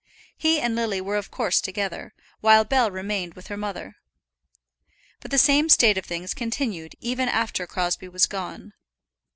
He and Lily were of course together, while Bell remained with her mother. But the same state of things continued even after Crosbie was gone.